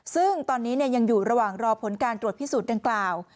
ซึ่งตอนนี้ยังอยู่ระหว่างรอผลการตรวจพิสูจน์ดังกล่าว